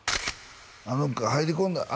「あの子入り込んだら」